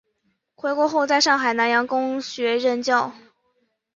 回国后在上海南洋公学任教。